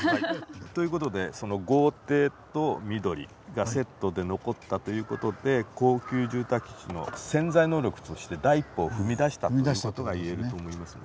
ということで豪邸と緑がセットで残ったということで高級住宅地の潜在能力として第一歩を踏み出したということが言えると思いますね。